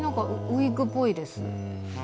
ウィッグっぽいです。